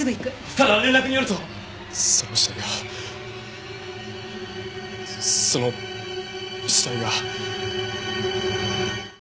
ただ連絡によるとその死体がその死体が。